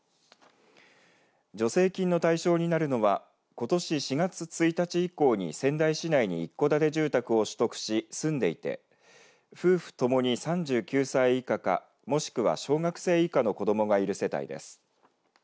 助成金の対象になるのはことし４月１日以降に仙台市内に一戸建て住宅を取得し住んでいて夫婦ともに３９歳以下かもしくは小学生以下の子どもがいる世帯です。